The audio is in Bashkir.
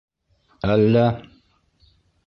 Әллә?